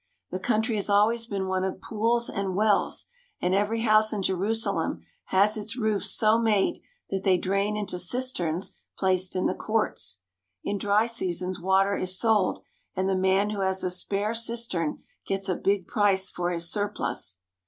The country has always been one of pools and wells, and every house in Jerusalem has its roofs so made that they drain into cisterns placed in the courts. In dry seasons water is sold, and the man who has a spare cistern gets a big price for his surplus.